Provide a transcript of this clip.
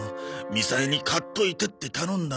みさえに買っといてって頼んだのに。